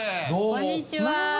こんにちは。